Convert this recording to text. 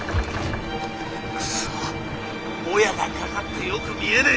クソもやがかかってよく見えねえ。